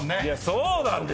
そうなんですよ！